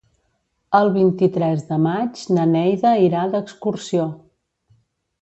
El vint-i-tres de maig na Neida irà d'excursió.